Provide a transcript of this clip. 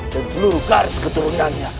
dan seluruh garis keturunannya